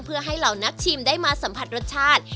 เพื่อให้เหล่านักชิมได้มาสัมผัสรสชาติ